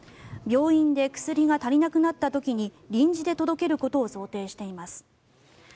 病院で薬が足りなくなった時に臨時で届けることを想定しています。